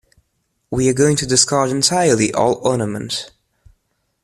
We are going to discard entirely all ornament.